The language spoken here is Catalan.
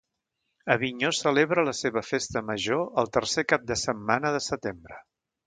Avinyó celebra la seva Festa major el tercer cap de setmana de setembre.